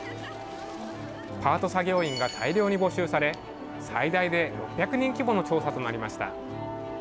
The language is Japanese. パート作業員が大量に募集され最大で６００人規模の調査となりました。